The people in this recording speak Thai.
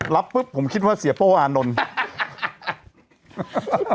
รับปุ๊บผมคิดว่าเสียโป้อานนท์